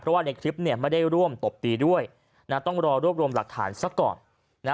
เพราะว่าในคลิปไม่ได้ร่วมตบตีด้วยต้องรอรวมรักฐานซักข่อน